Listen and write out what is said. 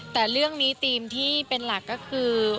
แต่เรื่องนี้ธีมที่เป็นหลักก็คือ